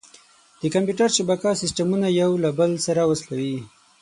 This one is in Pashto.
د کمپیوټر شبکه سیسټمونه یو له بل سره وصلوي.